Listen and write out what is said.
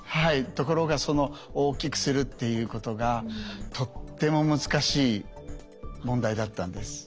ところがその大きくするっていうことがとっても難しい問題だったんです。